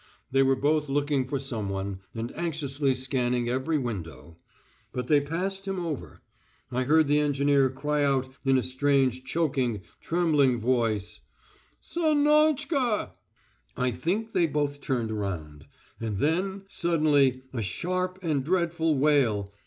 They were both looking for someone, and anxiously scanning every window. But they passed him over. I heard the engineer cry out in a strange, choking, trembling voice: "Sannochka!" I think they both turned round. And then, suddenly a sharp and dreadful wail....